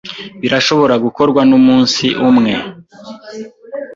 Birashobora gukorwa mumunsi umwe.